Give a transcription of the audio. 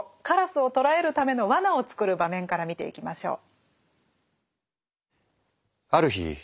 鴉をとらえるための罠を作る場面から見ていきましょう。